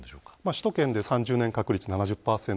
首都圏で３０年確率で７０％